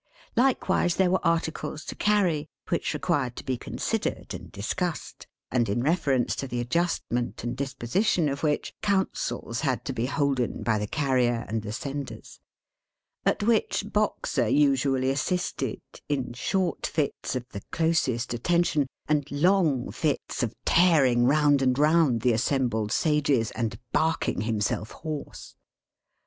Likewise, there were articles to carry, which required to be considered and discussed, and in reference to the adjustment and disposition of which, councils had to be holden by the Carrier and the senders: at which Boxer usually assisted, in short fits of the closest attention, and long fits of tearing round and round the assembled sages and barking himself hoarse.